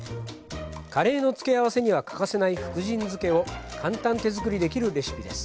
カレーの付け合わせには欠かせない福神漬けを簡単手づくりできるレシピです。